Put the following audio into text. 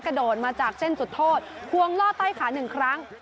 กระโดดมาจากเส้นจุดโทษควงล่อใต้ขาหนึ่งครั้ง